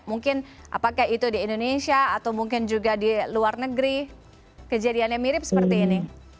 mungkin apakah itu di indonesia atau mungkin juga di luar negeri kejadiannya mirip seperti ini